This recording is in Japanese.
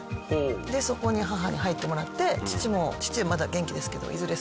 でそこに母に入ってもらって父も父はまだ元気ですけどいずれ